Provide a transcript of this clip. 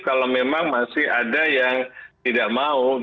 kalau memang masih ada yang tidak mau